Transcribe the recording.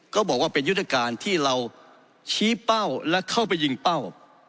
ก็บอกว่าเป็นยุทธการที่เราชี้เป้าและเข้าไปยิงเป้า